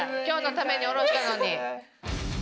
今日のために下ろしたのに。